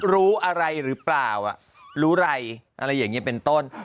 รู้อะไรหรือเปล่ารู้ไรอะไรอย่างนี้เป็นต้น